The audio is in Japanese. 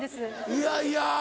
いやいや。